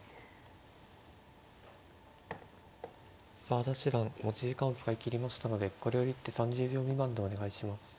澤田七段持ち時間を使い切りましたのでこれより一手３０秒未満でお願いします。